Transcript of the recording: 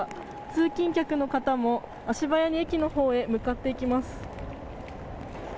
通勤客の方も、足早に駅の方へ向かっていきます。